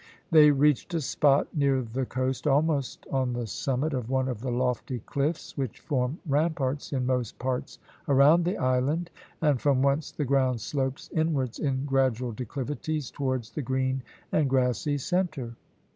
They reached a spot near the coast almost on the summit of one of the lofty cliffs which form ramparts in most parts around the island, and from whence the ground slopes inwards in gradual declivities towards the green and grassy centre.